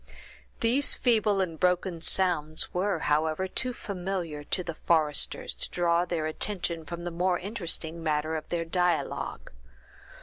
These feeble and broken sounds were, however, too familiar to the foresters to draw their attention from the more interesting matter of their dialogue.